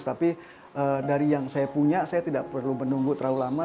tapi dari yang saya punya saya tidak perlu menunggu terlalu lama